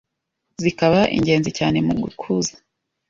zikaba ingenzi cyane mu gukuza